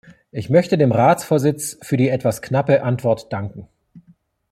Ich möchte dem Ratsvorsitz für die etwas knappe Antwort danken.